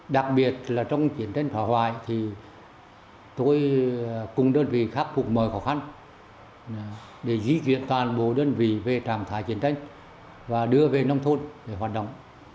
đặc biệt là trong chiến tranh phá hoại thì tôi cùng đơn vị khắc phục mọi khó khăn để di chuyển toàn bộ đơn vị về trạm thái chiến tranh và đưa về nông thôn để hoạt động